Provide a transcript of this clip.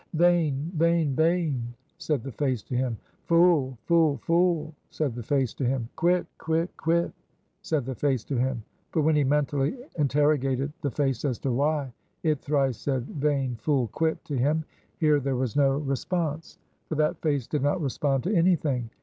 Vain! vain! vain! said the face to him. Fool! fool! fool! said the face to him. Quit! quit! quit! said the face to him. But when he mentally interrogated the face as to why it thrice said Vain! Fool! Quit! to him; here there was no response. For that face did not respond to any thing.